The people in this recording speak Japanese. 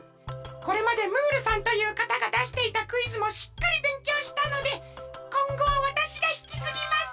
これまでムールさんというかたがだしていたクイズもしっかりべんきょうしたのでこんごはわたしがひきつぎます！